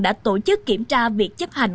đã tổ chức kiểm tra việc chấp hành